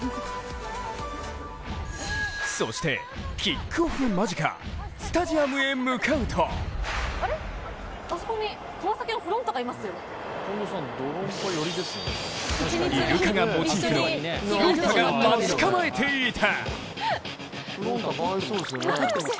そしてキックオフ間近、スタジアムへ向かうとイルカがモチーフのふろん太が待ち構えていた。